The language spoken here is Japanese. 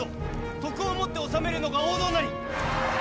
徳をもって治めるのが王道なり！